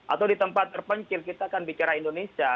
atau di tempat terpencil kita akan bicara indonesia